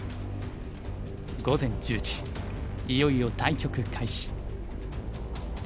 午前１０時いよいよ対局開始。